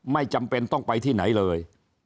ไม่จำเป็นต้องไปที่ไหนเลย